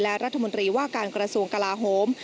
และรัฐมนตรีว่าการกระทรวงกลาโฮม